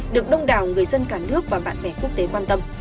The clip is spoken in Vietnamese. được đông đảo người dân cả nước và bạn bè quốc tế quan tâm